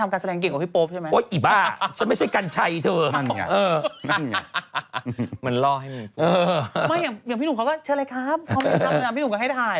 ไม่อย่างพี่หนูเขาก็เชิญเลยครับเขามาทำพี่หนูก็ให้ถ่าย